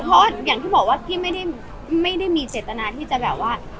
เพราะอย่างที่บอกว่าพี่ไม่ได้มีเจตนาที่จะแบบว่า